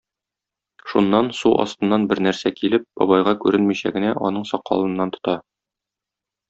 Шуннан, су астыннан бер нәрсә килеп, бабайга күренмичә генә, аның сакалыннан тота.